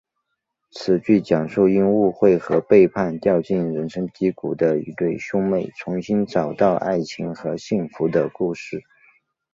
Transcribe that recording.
此剧讲述因误会和背叛掉进人生低谷的一对兄妹重新找到爱情和幸福的故事。